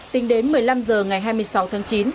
tính đến một mươi năm h ngày hai mươi sáu tháng chín